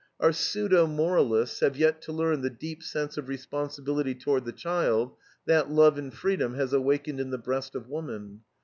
Our pseudo moralists have yet to learn the deep sense of responsibility toward the child, that love in freedom has awakened in the breast of woman.